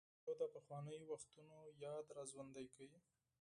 راډیو د پخوانیو وختونو یاد راژوندی کوي.